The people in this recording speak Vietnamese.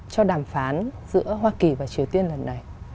cho đàm phán giữa hoa kỳ và triều tiên lần này